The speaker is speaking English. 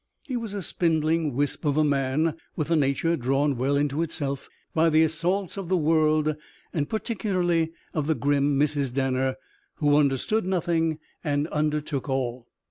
He was a spindling wisp of a man, with a nature drawn well into itself by the assaults of the world and particularly of the grim Mrs. Danner, who understood nothing and undertook all.